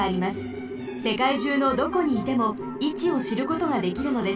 せかいじゅうのどこにいてもいちをしることができるのです。